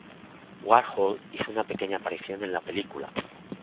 Warhol hizo una pequeña aparición en la película.